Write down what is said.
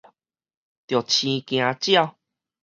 著生驚鳥